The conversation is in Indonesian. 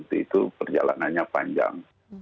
ya itu perjalanannya panjang